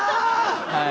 はい。